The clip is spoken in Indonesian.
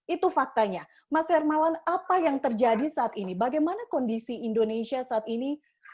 itu faktanya mas hermawan apa yang terjadi saat ini bagaimana kondisi indonesia saat ini